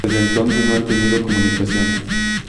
Desde entonces no han tenido comunicación.